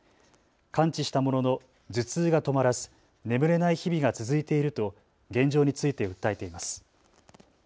完治したものの頭痛が止まらず眠れない日々が続いていると現状について訴えています。